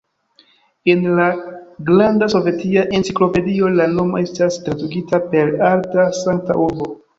En la Granda Sovetia Enciklopedio la nomo estas tradukita per "alta, sankta urbo".